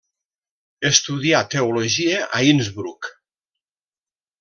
Estudià Teologia a Innsbruck.